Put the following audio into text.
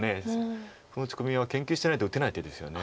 この打ち込みは研究してないと打てない手ですよね。